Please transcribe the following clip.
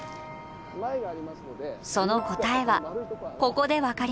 その答えはここで分かります。